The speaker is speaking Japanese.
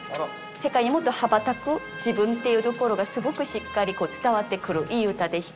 世界にもっと羽ばたく自分っていうところがすごくしっかり伝わってくるいい歌でした。